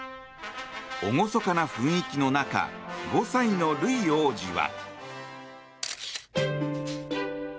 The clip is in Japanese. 厳かな雰囲気の中５歳のルイ王子は。